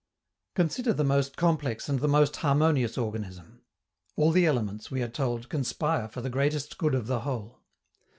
Consider the most complex and the most harmonious organism. All the elements, we are told, conspire for the greatest good of the whole.